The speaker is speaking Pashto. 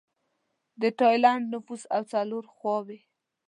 د ټایلنډ نفوس او څلور خواووې